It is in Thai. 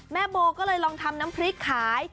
แม่โบก็เลยลองทำน้ำพริกขาย